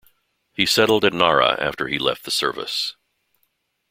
He settled at Nara after he left the service.